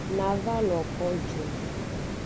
Na va lo ko ju.